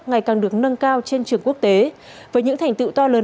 ngày càng được nâng cao trên trường quốc tế với những thành tựu to lớn